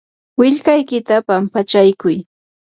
willkaykita pampachaykuy.